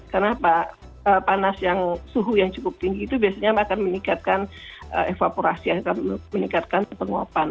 karena panas yang suhu yang cukup tinggi itu biasanya akan meningkatkan evaporasi akan meningkatkan penguapan